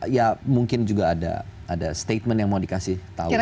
ya mungkin juga ada statement yang mau dikasih tahu